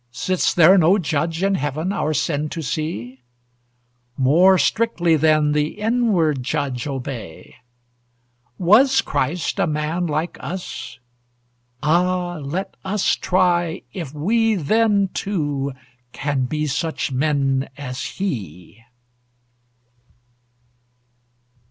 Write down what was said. Sits there no judge in Heaven our sin to see? More strictly, then, the inward judge obey! Was Christ a man like us? Ah! let us try If we then, too, can be such men as he!"